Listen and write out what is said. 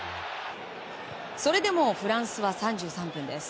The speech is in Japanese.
それでもフランスは３３分です。